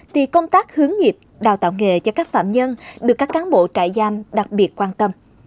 thì công tác hướng nghiệp đào tạo nghề cho các phạm nhân được các cán bộ trại giam đặc biệt quan tâm